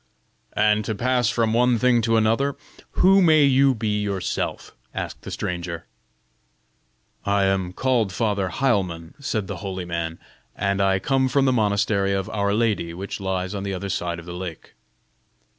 "And to pass from one thing to another, who may you be yourself?" asked the stranger. "I am called Father Heilmann," said the holy man; "and I come from the monastery of 'our Lady' which lies on the other side of the lake."